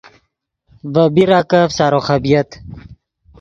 ڤے بیراکف سارو خبۡیت